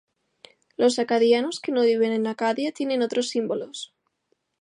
Los acadianos que no viven en Acadia tienen otros símbolos.